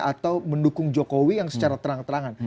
atau mendukung jokowi yang secara terang terangan